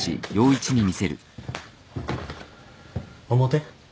表？